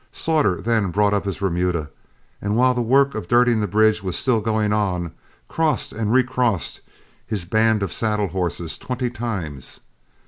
Slaughter then brought up his remuda, and while the work of dirting the bridge was still going on, crossed and recrossed his band of saddle horses twenty times.